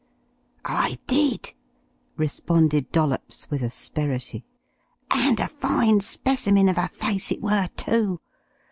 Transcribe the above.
"I did," responded Dollops, with asperity. "And a fine specimen of a face it were, too!